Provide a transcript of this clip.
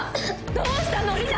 どうしたの里奈！